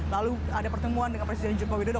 lalu ada pertemuan dengan presiden joko widodo